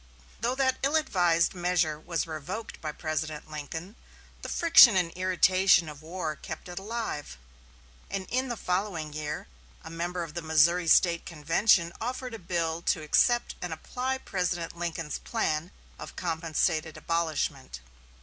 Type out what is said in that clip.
Though that ill advised measure was revoked by President Lincoln, the friction and irritation of war kept it alive, and in the following year a member of the Missouri State convention offered a bill to accept and apply President Lincoln's plan of compensated abolishment.